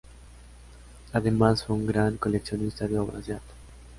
Además fue un gran coleccionista de obras de arte.